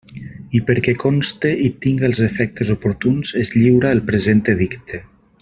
I perquè conste i tinga els efectes oportuns, es lliura el present edicte.